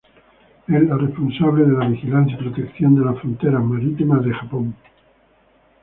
Es la responsable de la vigilancia y protección de las fronteras marítimas de Japón.